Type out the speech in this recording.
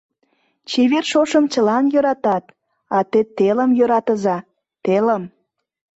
Чевер шошым чылан йӧратат. А те телым йӧратыза, телым!